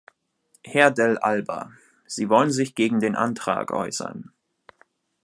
Herr Dell'Alba, Sie wollen sich gegen den Antrag äußern.